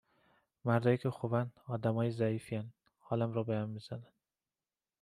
مردایی که خوبن، آدمای ضعیفین، حالم رو بهم می زنن